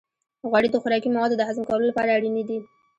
غوړې د خوراکي موادو د هضم کولو لپاره اړینې دي.